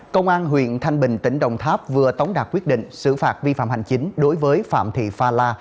công an huyện thanh bình tỉnh đồng tháp vừa tống đạt quyết định xử phạt vi phạm hành chính đối với phạm thị pha la